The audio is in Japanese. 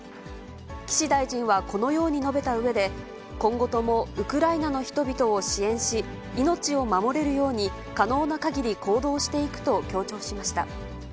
岸大臣はこのように述べたうえで、今後とも、ウクライナの人々を支援し、命を守れるように、可能なかぎり行動していくと強調しました。